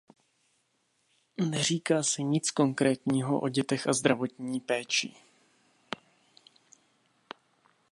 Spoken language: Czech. Neříká se nic konkrétního o dětech a zdravotní péči.